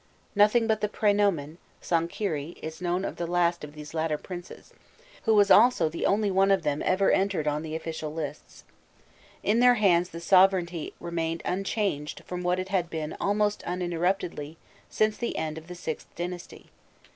Nothing but the prenomen Sonkherî is known of the last of these latter princes, who was also the only one of them ever entered on the official lists. In their hands the sovereignty remained unchanged from what it had been almost uninterruptedly since the end of the VIth dynasty.